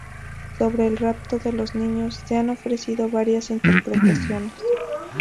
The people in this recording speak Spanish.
Sobre el rapto de los niños se han ofrecido varias interpretaciones.